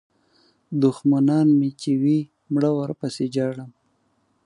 دوښمنان مې چې وي مړه ورپسې ژاړم.